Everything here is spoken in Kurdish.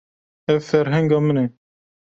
Ev ferhenga min e.